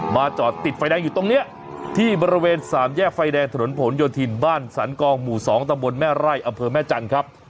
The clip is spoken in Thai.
จอดติดไฟแดงอยู่ตรงนี้ที่บริเวณสามแยกไฟแดงถนนผลโยธินบ้านสรรกองหมู่๒ตำบลแม่ไร่อำเภอแม่จันทร์ครับ